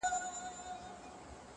سیاه پوسي ده؛ ترې کډي اخلو؛